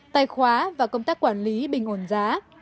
tài khoá và công tác quản lý bình ổn giá